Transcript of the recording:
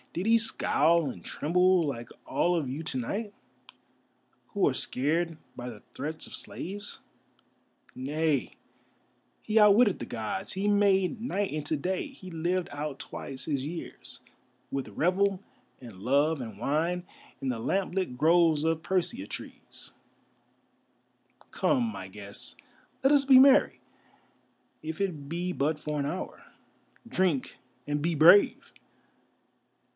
Did he scowl and tremble, like all of you to night, who are scared by the threats of slaves? Nay, he outwitted the Gods, he made night into day, he lived out twice his years, with revel and love and wine in the lamp lit groves of persea trees. Come, my guests, let us be merry, if it be but for an hour. Drink, and be brave!"